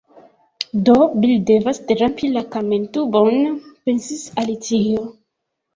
“Do, Bil devas derampi la kamentubon,” pensis Alicio.